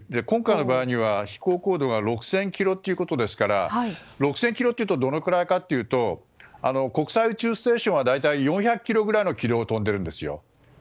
今回の場合には飛行高度が６０００ｋｍということですから６０００ｋｍというとどのくらいかというと国際宇宙ステーションが大体４００ｋｍぐらいの軌道を飛んでいるんですよ。